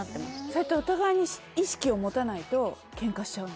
それってお互いに意識を持たないとケンカしちゃうの？